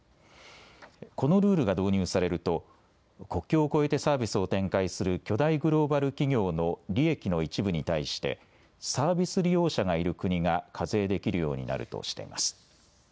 このルールが導入されると国境を越えてサービスを展開する巨大グローバル企業の利益の一部に対してサービス利用者がいる国が課税できるようになるとしています。